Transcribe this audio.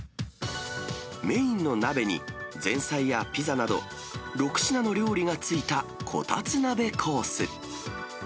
メインの鍋に、前菜やピザなど、６品の料理が付いたこたつ鍋コース。